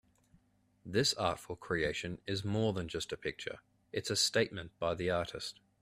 This artful creation is more than just a picture, it's a statement by the artist.